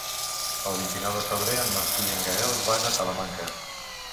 El vint-i-nou de febrer en Martí i en Gaël van a Talamanca.